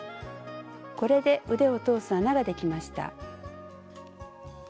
これで腕を通す穴ができました。